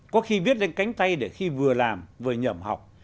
có khi viết lên cánh tay để khi vừa làm vừa nhầm học